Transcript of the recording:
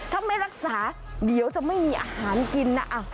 ท่อไมลักษายังจะไม่มีอาหารกินนะ